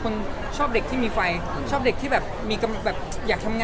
ต้องหลอกเป็นทำที่ที่คุณส่ง